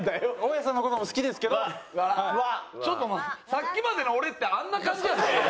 さっきまでの俺ってあんな感じやった？